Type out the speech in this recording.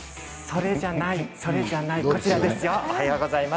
それじゃない、それじゃないこちらですよ。